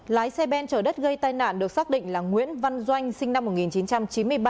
lái xe ben chở đất gây tai nạn được xác định là nguyễn văn doanh sinh năm một nghìn chín trăm chín mươi ba